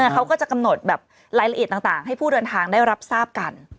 เขาก็จะกำหนดแบบรายละเอียดต่างให้ผู้เดินทางได้รับทราบกัน